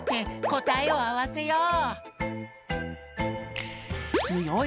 こたえあわせよう。